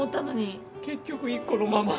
結局１個のまま。